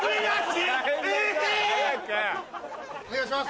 お願いします。